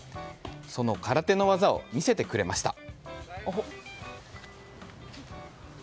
その空手の技を見せてくれました。